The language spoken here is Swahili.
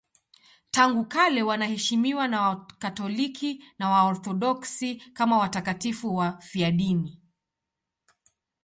Tangu kale wanaheshimiwa na Wakatoliki na Waorthodoksi kama watakatifu wafiadini.